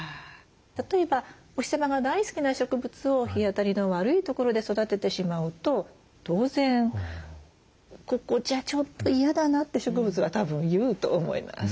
例えばお日様が大好きな植物を日当たりの悪い所で育ててしまうと当然「ここじゃちょっと嫌だな」って植物はたぶん言うと思います。